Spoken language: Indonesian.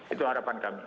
itu harapan kami